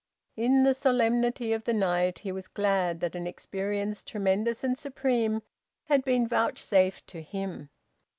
In the solemnity of the night he was glad that an experience tremendous and supreme had been vouchsafed to him.